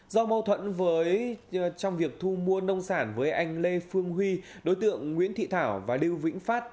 do mâu thuẫn trong việc thu mua nông sản với anh lê phương huy đối tượng nguyễn thị thảo và lưu vĩnh phát